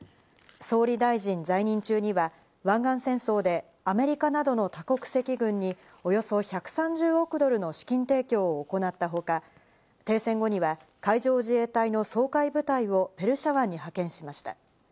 総理大臣在任中には湾岸戦争でアメリカなどの多国籍軍におよそ１３０億ドルの資金提供を行ったほか、停戦後には海上自衛隊の掃海部隊をペルシャ湾に派遣しました。